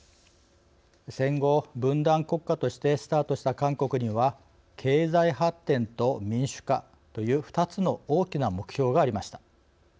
戦後、分断国家としてスタートした韓国には経済発展と民主化という２つの大きな目標がありました。